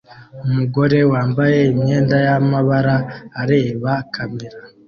Umugore wambaye imyenda y'amabara areba kamera